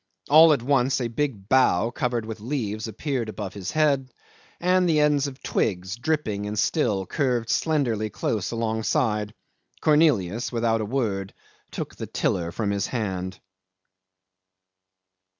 All at once a big bough covered with leaves appeared above his head, and ends of twigs, dripping and still, curved slenderly close alongside. Cornelius, without a word, took the tiller from his hand.